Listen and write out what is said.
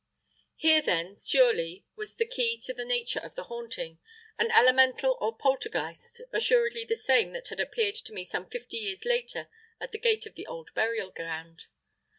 Here then surely was the key to the nature of the haunting an Elemental or Poltergeist, assuredly the same that had appeared to me some fifty years later at the gate of the old burial ground.